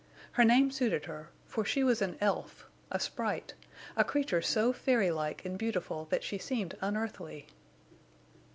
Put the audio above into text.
Her name suited her, for she was an elf, a sprite, a creature so fairy like and beautiful that she seemed unearthly.